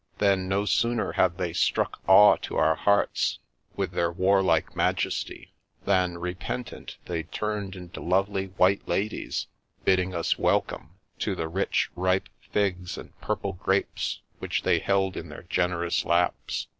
Then, no sooner had they struck awe to our hearts with their warlike majesty, than, repentant, they turned into lovely white ladies, bidding us welcome to the rich, ripe figs and purple grapes Aiv^ich they held in their generous laps.